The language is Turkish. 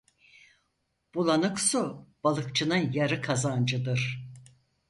Bulanık su, balıkçının yarı kazancıdır.